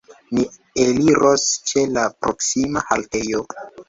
Ni eliros ĉe la proksima haltejo.